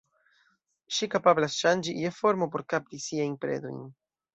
Ŝi kapablas ŝanĝi je formo por kapti siajn predojn.